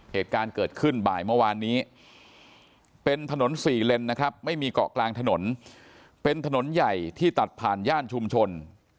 เหตุการณ์เกิดขึ้นบ่ายเมื่อวานนี้เป็นถนนสี่เลนนะครับไม่มีเกาะกลางถนนเป็นถนนใหญ่ที่ตัดผ่านย่านชุมชน